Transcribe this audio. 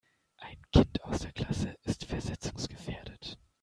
Ein Kind aus der Klasse ist versetzungsgefährdet.